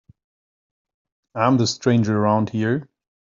I'm the stranger around here.